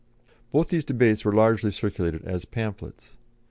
Both these debates were largely circulated as pamphlets.